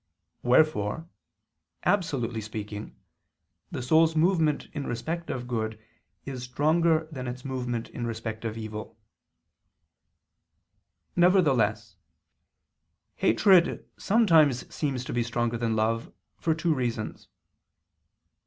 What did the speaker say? Wherefore, absolutely speaking, the soul's movement in respect of good is stronger than its movement in respect of evil. Nevertheless hatred sometimes seems to be stronger than love, for two reasons.